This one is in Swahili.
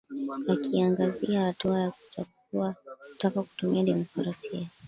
akiangazia hatua ya kutaka kutumia demokrasia